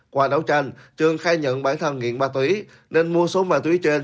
qua đấu tranh trương khai nhận bản thân nghiện ma túy nên mua số ma túy trên